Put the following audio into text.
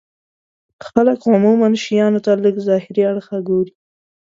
خلک عموما شيانو ته له ظاهري اړخه ګوري.